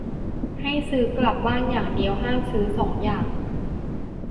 ให้ซื้อกลับบ้านอย่างเดียว ห้ามซื้อสองอย่าง